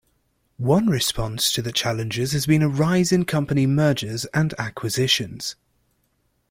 One response to the challenges has been a rise in company mergers and acquisitions.